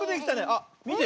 あっみて。